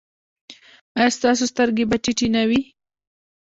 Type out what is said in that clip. ایا ستاسو سترګې به ټیټې نه وي؟